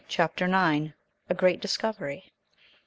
CHAPTER IX. A GREAT DISCOVERY.